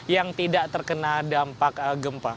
yang tidak terkena dampak gempa